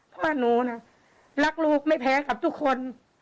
เพราะว่าหนูน่ะรักลูกไม่แพ้กับทุกคน